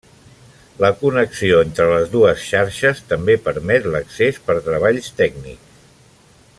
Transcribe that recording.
La connexió entre les dues xarxes també permet l'accés per treballs tècnics.